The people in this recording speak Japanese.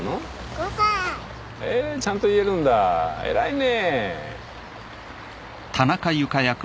５歳へぇちゃんと言えるんだ偉いね！